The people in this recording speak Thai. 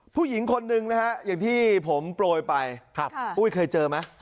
ผู้หญิงคนหนึ่งนะฮะอย่างที่ผมโปรยไปปุ้ยเคยเจอไหม